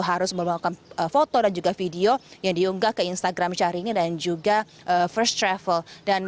harus membawakan foto dan juga video yang diunggah ke instagram syahrini dan juga first travel